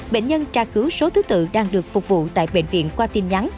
bệnh nhân tra cứu số thứ tự đang được phục vụ tại bệnh viện qua tin nhắn